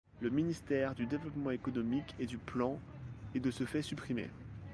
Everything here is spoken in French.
Le ministère du Développement économique et du Plan est de ce fait supprimé.